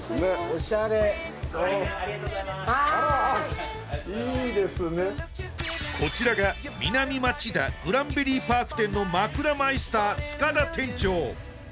おしゃれはーいあらいいですねこちらが南町田グランベリーパーク店の枕マイスター塚田店長